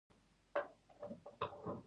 افغانستان د ډول ډول پسونو له شتون څخه ډک دی.